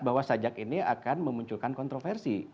bahwa sajak ini akan memunculkan kontroversi